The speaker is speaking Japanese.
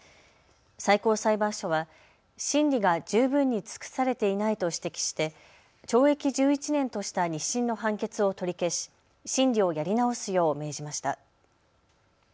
最高裁判所は審理が十分に尽くされていないと指摘して懲役１１年とした２審の判決を取り消し、審理をやり直すよう命じました。